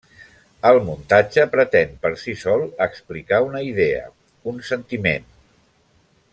El muntatge pretén per si sol explicar una idea, un sentiment.